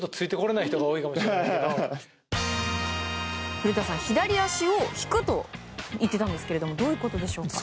古田さん、左足を引くといってたんですけどもどういうことでしょうか？